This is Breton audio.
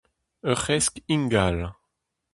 Ur c'hresk ingal.